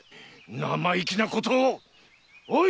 生意気なことをっ！